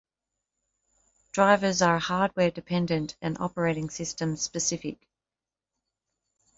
Drivers are hardware dependent and operating-system-specific.